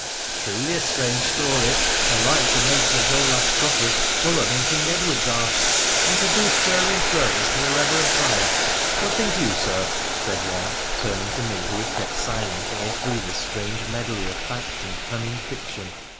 ' Truly a strange story, and like to make St. Olaf's coffers fuller than King Edward's are.' 190 WONDERFUL ADVENTURES OF ' And to do sterling service to the reverend Prior ! What think you, Sir ?' said one, turning to me who had kept silent all through this strange medley of fact and cunning fiction.